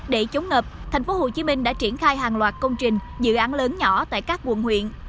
để chống ngập thành phố hồ chí minh đã triển khai hàng loạt công trình dự án lớn nhỏ tại các quận huyện